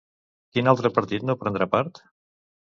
Quin altre partit no prendrà part?